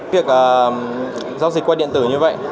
việc giao dịch qua điện tử như vậy